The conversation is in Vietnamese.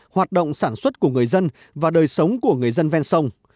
hoạt động sản xuất của người dân và đời sống của người dân ven sông